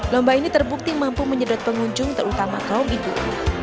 lomba ini terbukti mampu menyedot pengunjung terutama kaum ibu